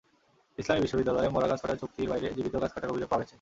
ইসলামী বিশ্ববিদ্যালয়ে মরা গাছ কাটার চুক্তির বাইরে জীবিত গাছ কাটার অভিযোগ পাওয়া গেছে।